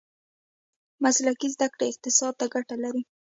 مسلکي زده کړې اقتصاد ته ګټه لري.